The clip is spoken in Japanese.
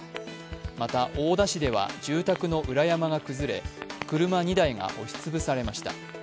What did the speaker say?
また大田市では住宅の裏山が崩れ車２台が押し潰されました。